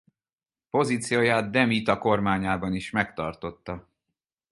Pozícióját De Mita kormányában is megtartotta.